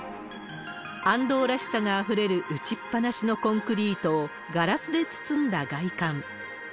安藤らしさがあふれる打ちっ放しのコンクリートをガラスで包んだ外観。